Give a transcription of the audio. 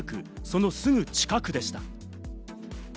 そのすぐ近くでした。